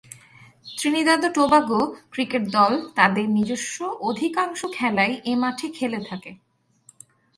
Trinidad ও Tobago cricket দল তাদের নিজস্ব অধিকাংশ খেলাই এ মাঠে খেলে থাকে।